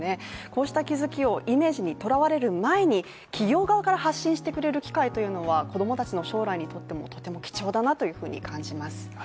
こうした気付きをイメージにとらわれる前に企業側から発信してくれる機会は子供たちの生来にとってもとても貴重だなというふうに感じます。